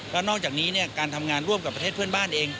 แล้วนอกจากนี้การทำงานร่วมกับประเทศเพื่อนบ้านเอง